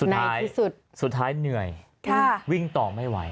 นั่นสุดท้ายเหนื่อยวิ่งต่อไม่ไหว